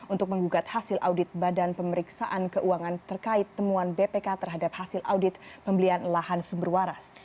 untuk menggugat hasil audit badan pemeriksaan keuangan terkait temuan bpk terhadap hasil audit pembelian lahan sumber waras